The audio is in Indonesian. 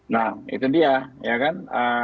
nah itu dia ya kan